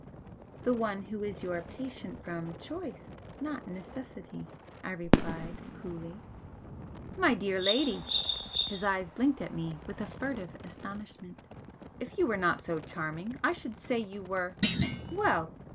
"The one who is your patient from choice, not necessity," I replied, coolly. "My dear lady!" His eyes blinked at me with a furtive astonishment "If you were not so charming I should say you were well!